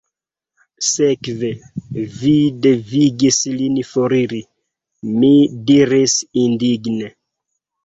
Sekve, vi devigis lin foriri, mi diris indigne.